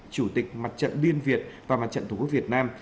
chủ tịch mặt trận biên việt và mặt trận thủ quốc việt nam